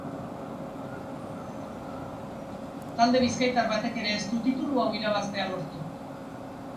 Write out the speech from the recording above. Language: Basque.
Talde bizkaitar batek ere ez du titulu hau irabaztea lortu.